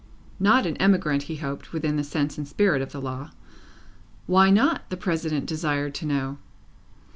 Not an emigrant, he hoped, within the sense and spirit of the law. Why not? the President desired to know.